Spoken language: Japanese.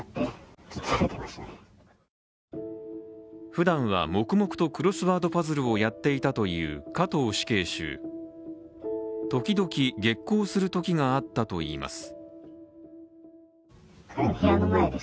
普段は黙々とクロスワードパズルをやっていたという加藤死刑囚ときどき激高するときがあったといいます。